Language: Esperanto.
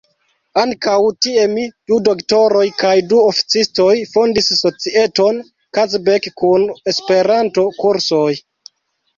Ankaŭ tie mi, du doktoroj kaj du oficistoj fondis societon "Kazbek" kun Esperanto-kursoj.